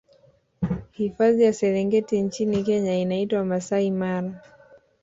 hifadhi ya serengeti nchini kenya inaitwa masai mara